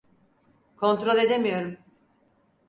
Kontrol edemiyorum.